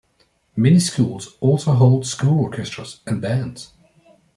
Many schools also hold school orchestras and bands.